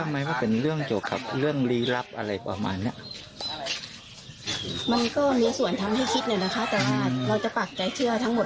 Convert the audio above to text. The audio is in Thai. มันก็มีส่วนทำให้คิดเลยนะคะแต่ว่าเราจะปากใจเชื่อทั้งหมด